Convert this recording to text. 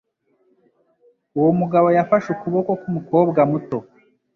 Uwo mugabo yafashe ukuboko k'umukobwa muto.